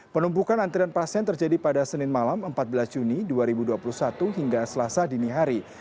penumpukan antrian pasien terjadi pada senin malam empat belas juni dua ribu dua puluh satu hingga selasa dini hari